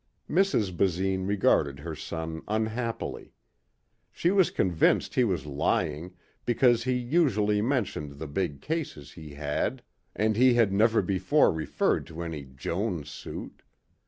Mrs. Basine regarded her son unhappily. She was convinced he was lying because he usually mentioned the big cases he had and he had never before referred to any Jones suit.